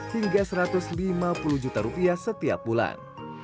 hingga satu ratus lima puluh juta rupiah setiap bulan